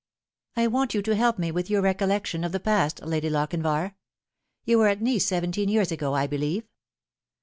" I want you to help me with your recollection of the past Lady Lochinvar. You were at Nice seventeen years ago, 1 believe